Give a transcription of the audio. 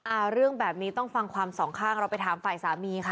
อ่าเรื่องแบบนี้ต้องฟังความสองข้างเราไปถามฝ่ายสามีค่ะ